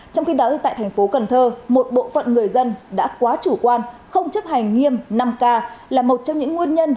trong khi đó tại thành phố cần thơ một bộ phận người dân đã quá chủ quan không chấp hành nghiêm năm k là một trong những nguyên nhân